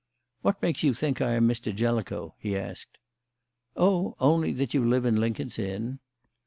"What makes you think I am Mr. Jellicoe?" he asked. "Oh, only that you live in Lincoln's Inn."